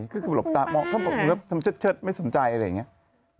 ก็คือหลบตามองเขาบอกทำเชิดไม่สนใจอะไรอย่างนี้